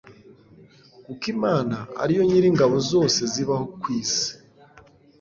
kuko imana ari yo nyir'ingabo zose zibaho ku isi